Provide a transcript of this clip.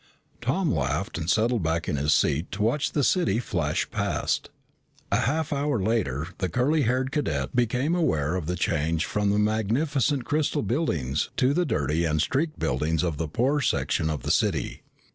Tom laughed and settled back in his seat to watch the city flash past. A half hour later the curly haired cadet became aware of the change from the magnificent crystal buildings to the dirty and streaked buildings of the poorer section of the city.